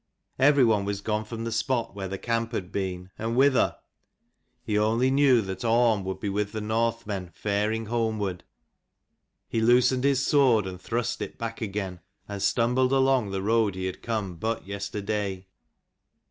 Every one was gone from the spot where the camp had been : and whither ? He only knew that Orm would 223 be with the Northmen faring homeward. He loosened his sword and thrust it back again, and stumbled forth along the road he had come but yesterday.